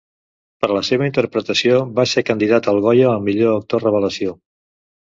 Per la seva interpretació va ser candidat al Goya al millor actor revelació.